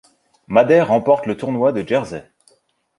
Madère remporte le tournoi de Jersey.